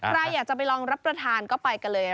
ใครอยากจะไปลองรับประทานก็ไปกันเลย